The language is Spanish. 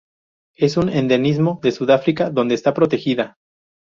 Es un endemismo de Sudáfrica, donde está protegida.